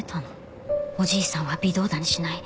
おじいさんは微動だにしない。